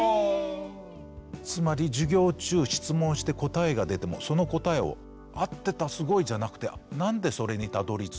つまり授業中質問して答えが出てもその答えを「合ってたすごい」じゃなくて何でそれにたどりついたの。